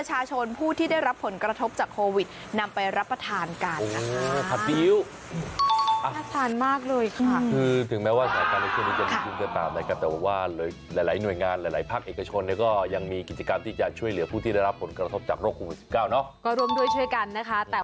นักศึกษามากเลยค่ะคือถึงแม้ว่าแต่ว่าหลายหน่วยงานหลายภาคเอกชนก็ยังมีกิจกรรมที่จะช่วยเหลือผู้ที่ได้รับผลกระทบจากโรคภูมิ๑๙เนาะก็รวมด้วยช่วยกันนะคะ